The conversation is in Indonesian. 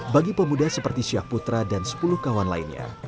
bagi pemuda seperti syah putra dan sepuluh kawan lainnya